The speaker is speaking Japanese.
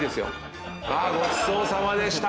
ごちそうさまでした。